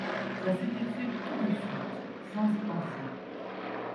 Ça s'était fait tout de suite, sans y penser.